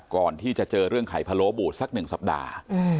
ก่อนที่จะเจอเรื่องไข่พะโลบูดสัก๑สัปดาห์